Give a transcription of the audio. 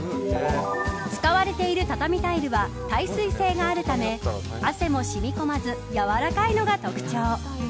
使われている畳タイルは耐水性があるため汗も染み込まずやわらかいのが特徴。